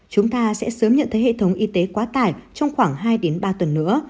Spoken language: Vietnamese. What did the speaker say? chúng ta sẽ sớm nhận thấy hệ thống y tế quá tải trong khoảng hai ba tuần nữa